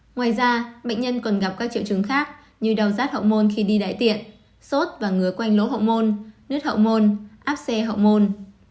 ngoài ra bệnh nhân còn gặp các triệu chứng khác như đau rát hậu môn khi đi đại tiện sốt và ngứa quanh lỗ hậu môn nứt hậu môn áp xe hậu môn